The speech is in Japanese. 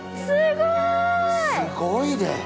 すごいで。